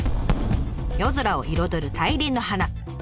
夜空を彩る大輪の花。